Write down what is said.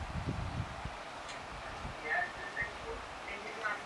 V nižší soutěži hrál i za Slavoj Piešťany.